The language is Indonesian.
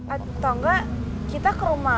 atau enggak kita ke rumah